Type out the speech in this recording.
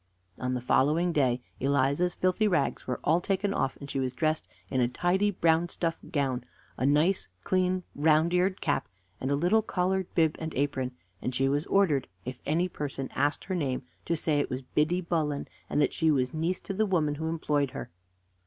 On the following day Eliza's filthy rags were all taken off, and she was dressed in a tidy brown stuff gown, a nice clean round eared cap, and a little colored bib and apron; and she was ordered, if any person asked her name, to say it was Biddy Bullen, and that she was niece to the woman who employed her.